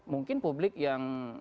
mungkin publik yang